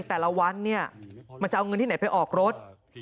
แต่ละวันเนี่ยมันจะเอาเงินที่ไหนไปออกรถ